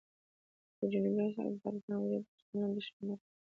په جنوبي اسیا کې د پاکستان وجود د پښتنو د دښمنۍ لپاره دی.